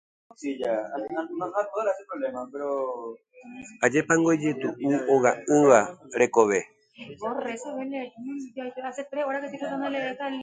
Ajépango ijetu'u hoga'ỹva rekove.